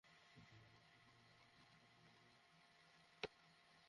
সঙ্গে থাকবে নদীগুলোর ওপর নির্ভর করে যেসব মানুষ জীবনযাপন করে, তাদের কথা।